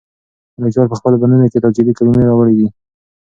ملکیار په خپلو بندونو کې تاکېدي کلمې راوړي دي.